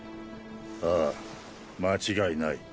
ああ間違いない。